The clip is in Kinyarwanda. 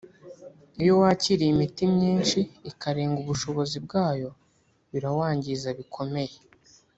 iyo wakiriye imiti myinshi ikarenga ubushobozi bwawo birawangiza bikomeye